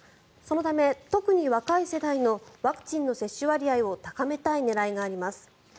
そのため、特に若い世代のワクチン接種割合を高めたい狙いがあります。